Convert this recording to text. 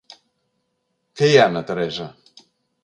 ¿Que hi ha na Teresa?